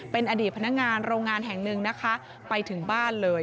เป็นอดีตพนักงานโรงงานแห่งหนึ่งนะคะไปถึงบ้านเลย